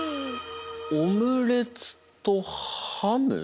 オムレツとハム？